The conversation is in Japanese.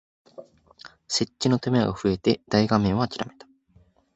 設置の手間が増えて大画面をあきらめた